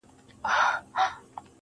مړاوي یې سترگي~